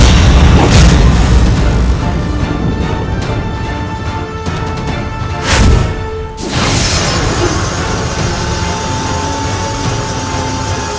aku baru saja mencari pencuri kelas ini